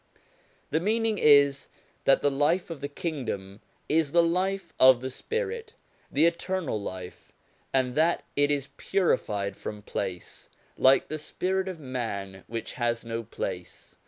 The meaning is that the life of the Kingdom is the life of the spirit, the eternal life, and that it is purified from place, like the spirit of man which has no place.